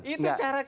itu cara kita gimana